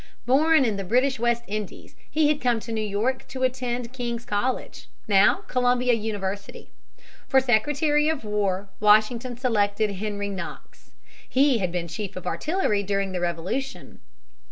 Born in the British West Indies, he had come to New York to attend King's College, now Columbia University. For Secretary of War, Washington selected Henry Knox. He had been Chief of Artillery during the Revolution.